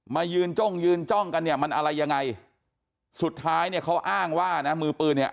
มายืนจ้องยืนจ้องกันเนี่ยมันอะไรยังไงสุดท้ายเนี่ยเขาอ้างว่านะมือปืนเนี่ย